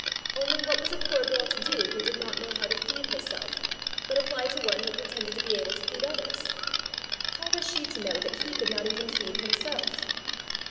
Only what was a poor girl to do who did not know how to feed herself, but apply to one who pretended to be able to feed others? How was she to know that he could not even feed himself?